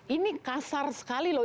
ini kasar sekali loh